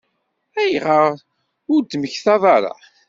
Ayɣer ur d-temmektaḍ ara?